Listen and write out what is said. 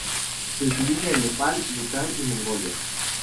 Se utiliza en Nepal, Bután y Mongolia.